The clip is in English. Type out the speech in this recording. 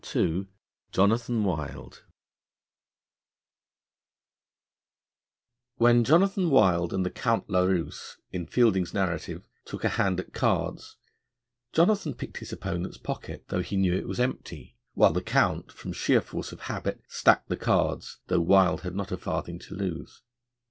II JONATHAN WILD WHEN Jonathan Wild and the Count La Ruse, in Fielding's narrative, took a hand at cards, Jonathan picked his opponent's pocket, though he knew it was empty, while the Count, from sheer force of habit, stacked the cards, though Wild had not a farthing to lose.